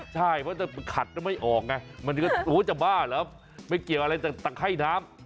ใช่เพราะถ้าขัดก็ไม่ออกไงมันก็โอ้จะบ้าเหรอไม่เกี่ยวอะไรตะไข้น้ำ